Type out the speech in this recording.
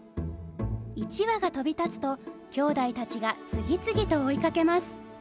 一羽が飛び立つときょうだいたちが次々と追いかけます。